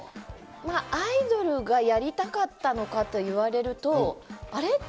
まあ、アイドルがやりたかったのかといわれると、あれ？